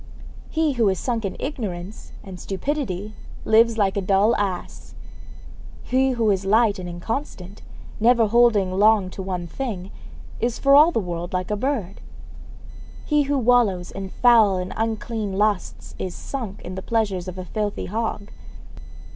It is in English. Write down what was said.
He who is sunk in ignorance and stupidity lives like a dull ass. He who is light and inconstant, never holding long to one thing, is for all the world like a bird. He who wallows in foul and unclean lusts is sunk in the pleasures of a filthy hog.